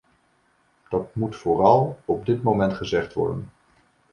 Dat moet vooral op dit moment gezegd worden.